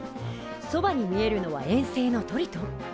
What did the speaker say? そばに見えるのは衛星のトリトン。